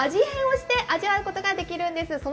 変をして味わうことができるんです。